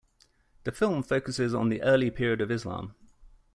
The film focuses on the early period of Islam.